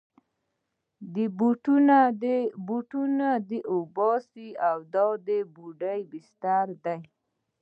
بوټونه دې وباسه، دا د بوډا بستره ده.